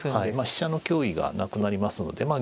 飛車の脅威がなくなりますので。